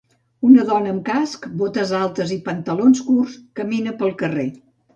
Una dona amb casc, botes altes i pantalons curts camina pel carrer.